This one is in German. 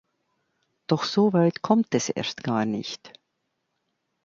Doch soweit kommt es erst gar nicht.